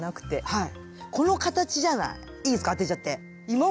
はい。